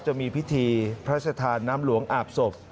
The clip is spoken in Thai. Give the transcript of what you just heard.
จะมีพิธีพระชธานน้ำหลวงอาบศพ